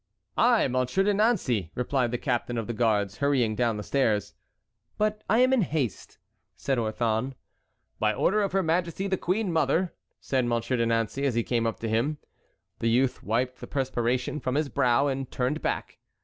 "I, Monsieur de Nancey," replied the captain of the guards, hurrying down the stairs. "But I am in haste," said Orthon. "By order of her majesty the queen mother," said Monsieur de Nancey, as he came up to him. The youth wiped the perspiration from his brow and turned back.